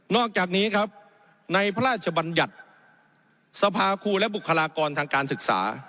อกจากนี้ครับในพระราชบัญญัติสภาครูและบุคลากรทางการศึกษา